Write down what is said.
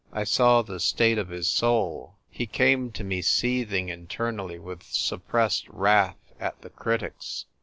I saw the state of his soul ; he came to me, seething internally with suppressed wrath at the critics.